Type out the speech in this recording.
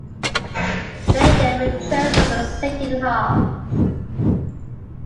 They then return for the second half.